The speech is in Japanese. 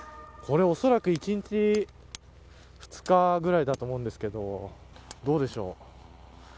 これ、おそらく１日２日ぐらいだと思うんですけどどうでしょう。